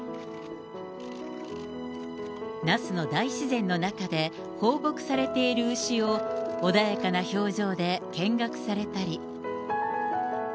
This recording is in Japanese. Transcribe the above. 那須の大自然の中で放牧されている牛を穏やかな表情で見学されたり。